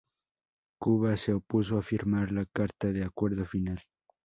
Cuba se opuso a firmar la carta de acuerdo final.